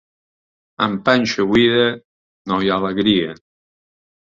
Amb panxa buida, no hi ha alegria.